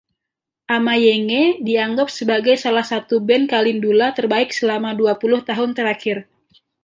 Amayenge dianggap sebagai salah satu band kalindula terbaik selama dua puluh tahun terakhir.